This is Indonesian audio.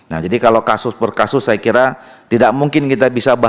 nah jadi kalau kasus per kasus saya kira tidak mungkin diselesaikan